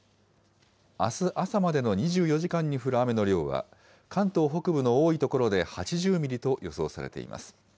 あす朝までの２４時間に降る雨の量は、関東北部の多い所で８０ミリと予想されています。